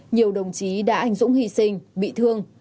nhiều đồng chí đã anh dũng hy sinh bị thương